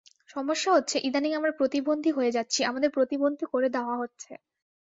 সমস্যা হচ্ছে ইদানীং আমরা প্রতিবন্ধী হয়ে যাচ্ছি, আমাদের প্রতিবন্ধী করে দেওয়া হচ্ছে।